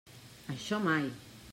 Això mai!